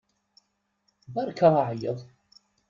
Beṛka aɛeyyeḍ!